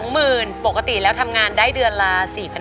๒๐๐๐๐บาทปกติแล้วทำงานได้เดือนละ๔๕๐๐บาท